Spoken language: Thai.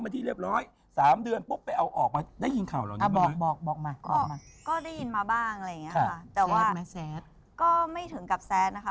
แต่ว่าแซดก็ไม่ถึงกับแซดนะคะ